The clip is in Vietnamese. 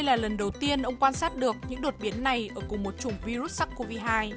lần đầu tiên ông quan sát được những đột biến này ở cùng một chủng virus sars cov hai